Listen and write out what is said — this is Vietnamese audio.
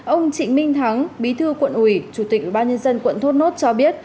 ông trịnh minh thắng bí thư quận ủy chủ tịch ubnd quận thốt nốt cho biết